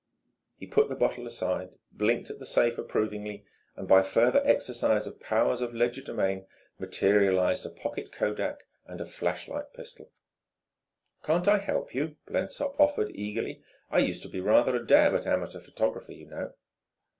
He put the bottle aside, blinked at the safe approvingly, and by further exercise of powers of legerdemain materialized a pocket kodak and a flashlight pistol. "Can't I help you?" Blensop offered eagerly. "I used to be rather a dab at amateur photography, you know."